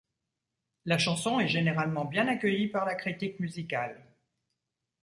La chanson est généralement bien accueillie par la critique musicale.